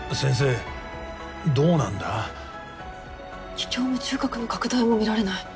気胸も縦隔の拡大も見られない。